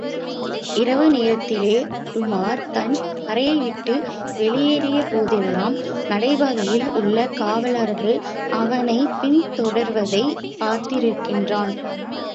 இரவு நேரத்திலே, உமார் தன் அறையைவிட்டு வெளியேறிய போதெல்லாம், நடைபாதையிலே உள்ள காவல்காரர்கள் அவனைப் பின்தொடர்வதைப் பார்த்திருக்கிறான்.